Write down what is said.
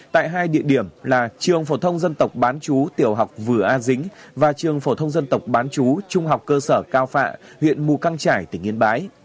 tại hai địa điểm là trường phổ thông dân tộc bán chú tiểu học vừa a dính và trường phổ thông dân tộc bán chú trung học cơ sở cao phạ huyện mù căng trải tỉnh yên bái